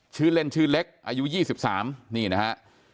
ชื่อเล่นชื่อเล็กอายุ๒๓นี่นะฮะ